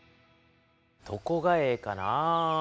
どこがええかな？